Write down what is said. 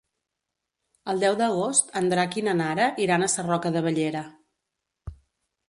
El deu d'agost en Drac i na Nara iran a Sarroca de Bellera.